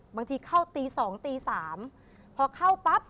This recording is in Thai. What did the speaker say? บางทีเข้าตีสองตีสามพอเข้าปั๊บ